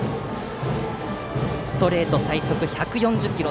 ストレート最速１４０キロ。